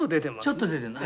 ちょっと出てるの。